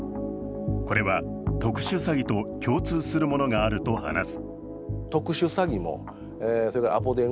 これは特殊詐欺と共通するものがあると話す。